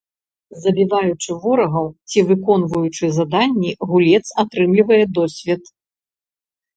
Забіваючы ворагаў ці выконваючы заданні, гулец атрымлівае досвед.